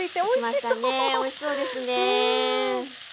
おいしそうですね。